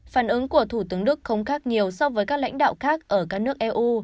phản ứng của thủ tướng đức không khác nhiều so với các lãnh đạo khác ở các nước eu